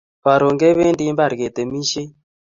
Karon kebendi imbar ketemishe